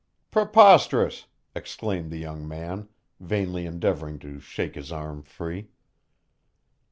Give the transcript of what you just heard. "Preposterous!" exclaimed the young man, vainly endeavoring to shake his arm free.